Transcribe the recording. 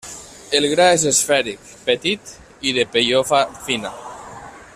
El gra és esfèric, petit i de pellofa fina.